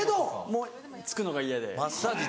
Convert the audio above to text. もうつくのが嫌で。